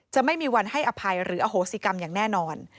ไม่มีวันให้อภัยหรืออโหสิกรรมอย่างแน่นอน